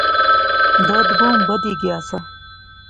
درد بہوں بدھی گیا سا